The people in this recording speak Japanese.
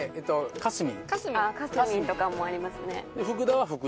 「かすみん」とかもありますね。